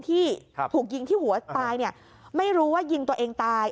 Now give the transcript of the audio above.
ที่ถูกยิงที่หัวตายไม่รู้ว่ายิงตัวเองตาย